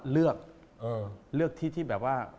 เลือกเลือกที่ที่แบบว่า